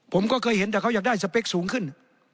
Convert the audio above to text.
ผมก็เคยเห็นแต่เขาอยากได้สเปคสูงขึ้น